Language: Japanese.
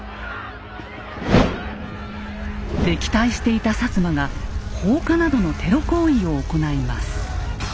敵対していた摩が放火などのテロ行為を行います。